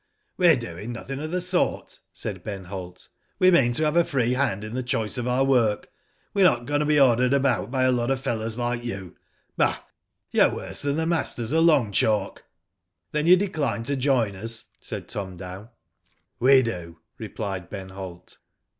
" WeVe doing nothing of the sort," said Ben Holt. "We mean to have a free hand in the choice of our work. We're not going to be ordered Digitized byGoogk TROUBLE BREWING. 117 about by a lot of fellers like you. Bah ! You're worse than the masters a long chalk/' "Then you decline to join us?" said Tom Dow. '^We do/' replied Ben Holt.